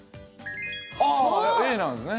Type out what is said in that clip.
ああＡなんですね。